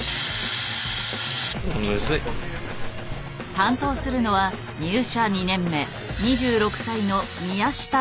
担当するのは入社２年目２６歳の宮下拓也。